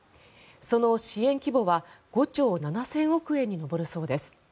その支援規模は５兆７０００億円にも上るそうです。